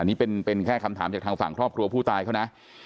อันนี้เป็นแค่คำถามจากทางฝั่งครอบครัวผู้ตายเขานะ